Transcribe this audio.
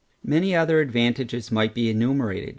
Many other advantages might be enumerated.